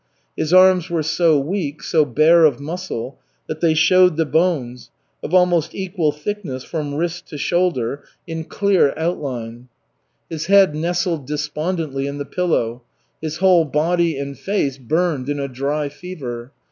His arms were so weak, so bare of muscle, that they showed the bones, of almost equal thickness from wrist to shoulder, in clear outline. His head nestled despondently in the pillow. His whole body and face burned in a dry fever.